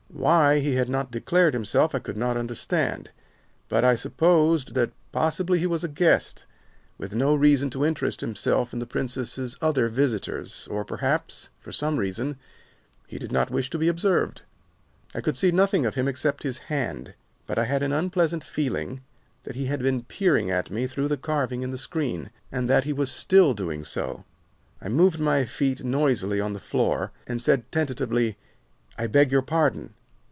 Why he had not declared himself I could not understand, but I supposed that possibly he was a guest, with no reason to interest himself in the Princess's other visitors, or perhaps, for some reason, he did not wish to be observed. I could see nothing of him except his hand, but I had an unpleasant feeling that he had been peering at me through the carving in the screen, and that he still was doing so. I moved my feet noisily on the floor and said tentatively, 'I beg your pardon.